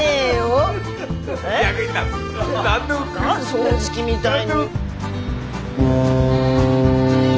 掃除機みたいに！